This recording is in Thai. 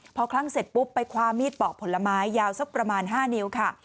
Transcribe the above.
พอคลั่งเสร็จปุ๊บไปคว้ามีดปอกผลไม้ยาวสักประมาณ๕นิ้วค่ะ